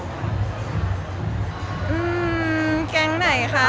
อือแก๊งไหนคะ